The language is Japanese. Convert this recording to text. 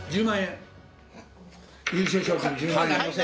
１０万円。